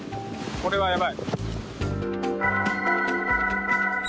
これはやばい。